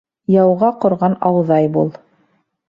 Яуға ҡорған ауҙай бул.